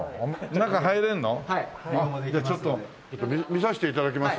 見させて頂けます？